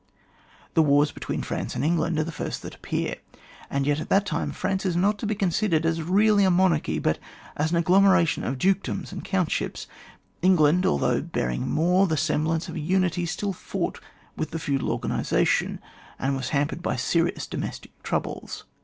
The wars between France and England are the first that appear, and yet at that time France is not to be considered as realfy a monarchy, but as an agglomera tion of dukedoms and countships ; Eng^ litnd, although bearing more ^he sem blance of a unity, still fought with the feoAal organisation, and was hampered by serious domestic troubles.